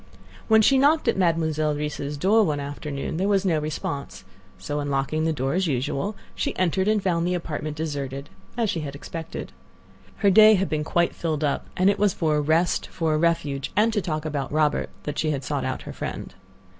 When she knocked at Mademoiselle Reisz's door one afternoon there was no response; so unlocking the door, as usual, she entered and found the apartment deserted, as she had expected. Her day had been quite filled up, and it was for a rest, for a refuge, and to talk about Robert, that she sought out her friend.